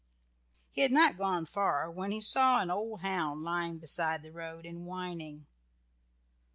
He had not gone far when he saw an old hound lying beside the road and whining.